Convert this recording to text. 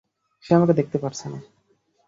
সে আমাকে দেখতে পারছে না।